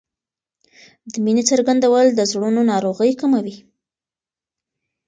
د مینې څرګندول د زړونو ناروغۍ کموي.